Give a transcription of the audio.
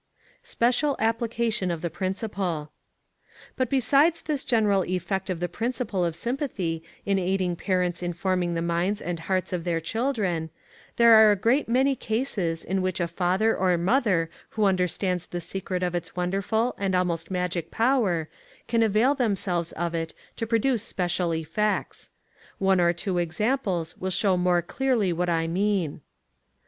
Special Application of the Principle. But besides this general effect of the principle of sympathy in aiding parents in forming the minds and hearts of their children, there are a great many cases in which a father or mother who understands the secret of its wonderful and almost magic power can avail themselves of it to produce special effects. One or two examples will show more clearly what I mean.